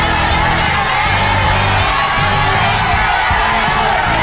เวลาดีครับ